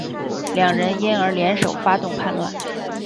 两人因而联手发动叛乱。